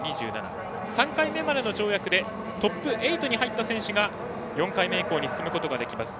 ３回目までの跳躍でトップ８に入った選手が４回目以降に進むことができます。